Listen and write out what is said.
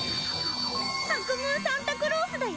アクムーサンタクロースだよ！